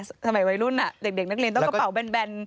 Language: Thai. สมัยวัยรุ่นเด็กนักเรียนต้องกระเป๋าแบน